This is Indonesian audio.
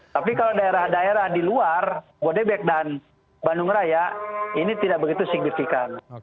tapi kalau daerah daerah di luar bodebek dan bandung raya ini tidak begitu signifikan